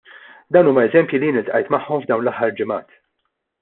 Dawn huma eżempji li jien ltqajt magħhom f'dawn l-aħħar ġimgħat.